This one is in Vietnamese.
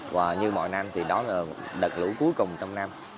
và như mọi năm thì đó là đợt lũ cuối cùng trong năm